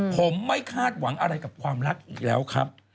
ผมไม่คาดหวังอะไรกับความรักอีกแล้วครับ